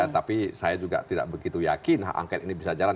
tapi saya juga tidak begitu yakin hak angket ini bisa jalan